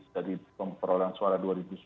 dari perolehan suara dua ribu sembilan belas